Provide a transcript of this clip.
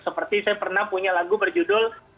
seperti saya pernah punya lagu berjudul